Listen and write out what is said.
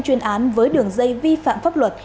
chuyên án với đường dây vi phạm pháp luật